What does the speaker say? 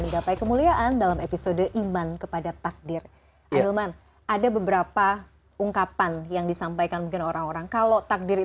beberapa pertanyaan yang sudah saya susun ini